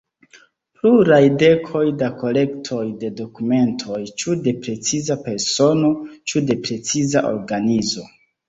Pluraj dekoj da kolektoj de dokumentoj ĉu de preciza persono ĉu de preciza organizo.